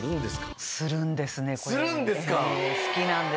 するんですか！